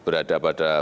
ingin mengganti negara